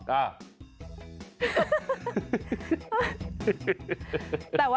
แต่ว่าโรงเรียนนี้